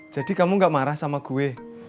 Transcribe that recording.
jadi kamu nggak marah sama gue